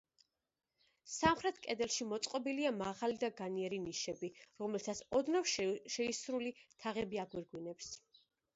სამხრეთ კედელში მოწყობილია მაღალი და განიერი ნიშები, რომლებსაც ოდნავ შეისრული თაღები აგვირგვინებს.